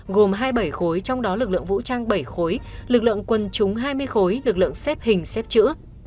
gồm hai mươi bảy khối trong đó lực lượng vũ trang bảy khối lực lượng quân chúng hai mươi khối lực lượng xếp hình xếp chữ